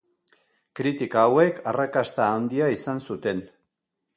Kritika hauek arrakasta handia izan zuten.